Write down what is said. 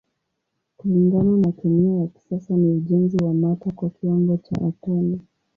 Kulingana na kemia ya kisasa ni ujenzi wa mata kwa kiwango cha atomi.